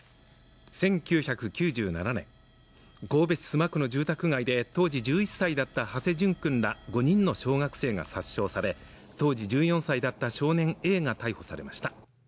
１９９７年神戸市須磨区の住宅街で当時１１歳だった土師淳君ら５人の小学生が殺傷され当時１４歳だった少年Ａが逮捕されました